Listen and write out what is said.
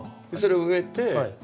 それを植えて。